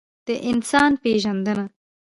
د انسان پېژندنه.